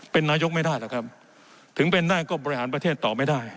เป็นนายกไม่ได้หรอกครับถึงเป็นได้ก็บริหารประเทศต่อไม่ได้